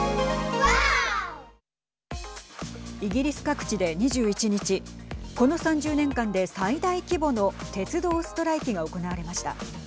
イギリス各地で２１日この３０年間で最大規模の鉄道ストライキが行われました。